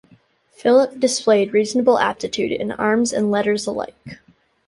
Philip displayed reasonable aptitude in arms and letters alike.